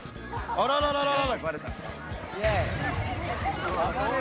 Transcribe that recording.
あらららららら。